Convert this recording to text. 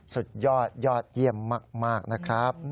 สุดยอดยอดเยี่ยมมากนะครับ